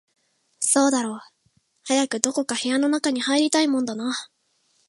そうだろう、早くどこか室の中に入りたいもんだな